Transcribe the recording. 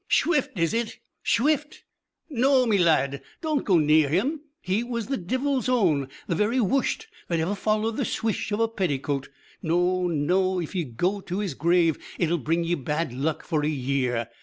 "Shwift is it! Shwift! No, me lad, don't go near him! He was the divil's own, the very worsht that ever followed the swish of a petticoat. No, no; if ye go to his grave it'll bring ye bad luck for a year.